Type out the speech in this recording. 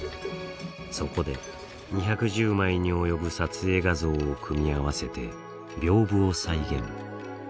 そこで２１０枚に及ぶ撮影画像を組み合わせて屏風を再現。